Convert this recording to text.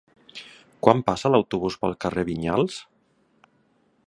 Quan passa l'autobús pel carrer Vinyals?